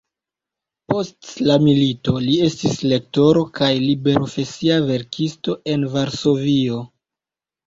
Post la milito li estis lektoro kaj liberprofesia verkisto en Varsovio.